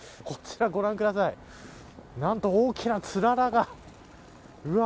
こちら、ご覧ください何と、大きなつららが。